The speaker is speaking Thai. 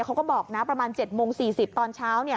เขาก็บอกนะประมาณ๗โมง๔๐ตอนเช้า